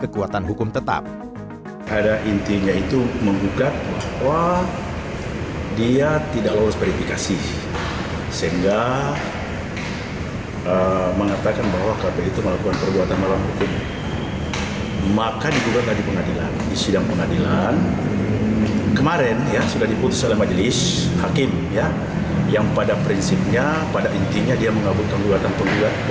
dan yang menghukum kpu untuk tak melaksanakan tahapan pemilu